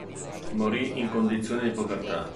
Morì in condizioni di povertà.